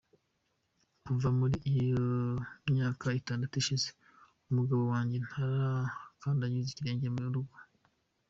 Kuva muri iyo myaka itandatu ishize, umugabo wanjye ntarakandagiza ikirenge mu rugo.